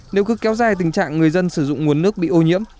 nếu cứ kéo dài tình trạng người dân sử dụng nguồn nước bị ô nhiễm